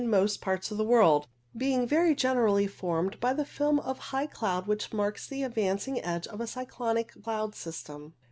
most parts of the world, being very generally formed by the film of high cloud which marks the ad vancing edge of a cyclonic cloud system.